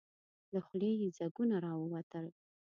له خولې يې ځګونه راووتل.